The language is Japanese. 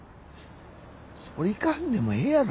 俺行かんでもええやろ？